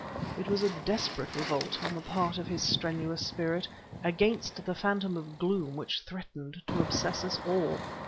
It was a desperate revolt, on the part of his strenuous spirit, against the phantom of gloom which threatened to obsess us all.